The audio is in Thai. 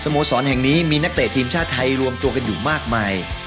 โมสรแห่งนี้มีนักเตะทีมชาติไทยรวมตัวกันอยู่มากมาย